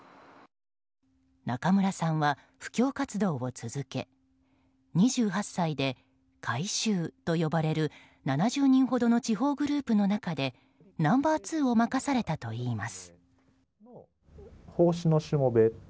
中村さんは布教活動を続け２８歳で、会衆と呼ばれる７０人ほどの地方グループの中でナンバー２を任されたといいます。